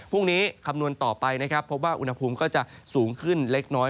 พรุ่งนี้คำนวณต่อไปพบว่าอุณหภูมิก็จะสูงขึ้นเล็กน้อย